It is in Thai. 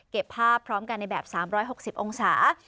ภาพพร้อมกันในแบบ๓๖๐องศา